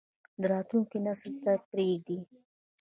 راتلونکی نسل ته یې پریږدئ